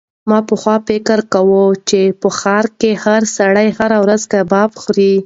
ما پخوا فکر کاوه چې په ښار کې هر سړی هره ورځ کباب خوري.